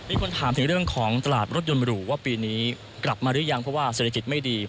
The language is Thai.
คนถามถึงเรื่องของตลาดรถยนต์หรูว่าปีนี้กลับมาหรือยังเพราะว่าเศรษฐกิจไม่ดี